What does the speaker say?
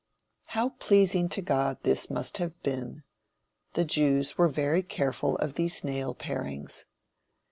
How pleasing to God this must have been. The Jews were very careful of these nail parings.